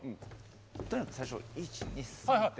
とにかく最初１２３って。